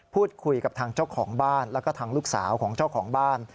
พูดคุยกับทางเจ้าของบ้านแล้วก็ทางลูกสาวของเจ้าของบ้าน